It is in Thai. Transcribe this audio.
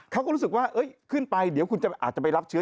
เขาก็รู้สึกว่าขึ้นไปเดี๋ยวคุณอาจจะไปรับเชื้อ